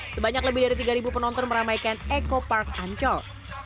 sebanyak lebih dari tiga penonton meramaikan eco park ancol